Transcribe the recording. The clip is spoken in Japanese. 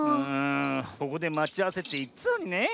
ここでまちあわせっていってたのにねえ